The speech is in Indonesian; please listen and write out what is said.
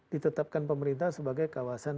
ditetapkan pemerintah sebagai kawasan